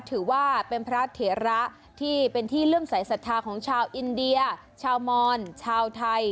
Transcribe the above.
ถือว่าเป็นพระเถระที่เป็นที่เลื่อมสายศรัทธาของชาวอินเดียชาวมอนชาวไทย